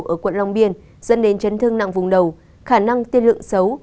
ở quận long biên dẫn đến chấn thương nặng vùng đầu khả năng tiên lượng xấu